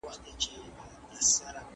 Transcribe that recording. نه پېچومي کږلېچونه نه په مخ کي ورکي لاري